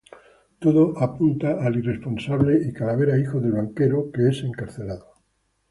Todo apunta al irresponsable y calavera hijo del banquero, que es encarcelado.